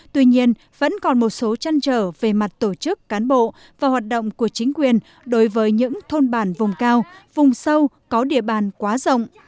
tuy nhiên vẫn còn một số trăn trở về mặt tổ chức cán bộ và hoạt động của chính quyền đối với những thôn bản vùng cao vùng sâu có địa bàn quá rộng